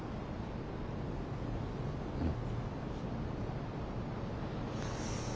うん。